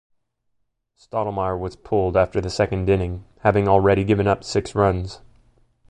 Stottlemyre was pulled after the second inning, having already given up six runs.